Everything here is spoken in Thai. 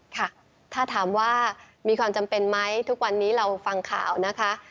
ค่ะถ้าถามว่ามีความจำเป็นไหมทุกวันนี้เราฟังข่าวนะคะ